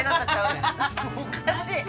おかしい。